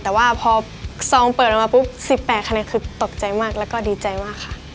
แต่ว่าพอซองเปิดออกมาปุ๊บ๑๘คะแนนคือตกใจมากแล้วก็ดีใจมากค่ะ